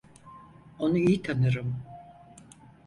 Onu iyi tanırım.